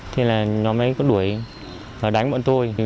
thì nó mới đuổi và đánh bọn tôi